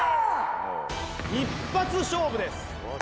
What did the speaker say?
一発勝負です。